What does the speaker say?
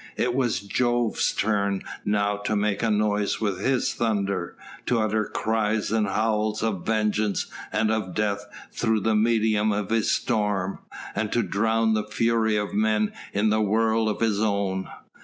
It was Jove's turn now to make a noise with his thunder, to utter cries and howls of vengeance and of death through the medium of his storm, and to drown the fury of men in the whirl of his own.